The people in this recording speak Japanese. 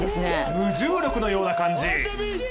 無重力のような感じ。